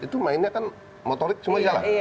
itu mainnya kan motorik semua jalan